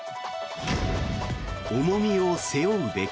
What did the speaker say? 重みを背負うべき。